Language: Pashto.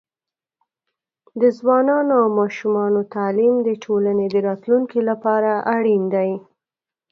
د ځوانانو او ماشومانو تعليم د ټولنې د راتلونکي لپاره اړین دی.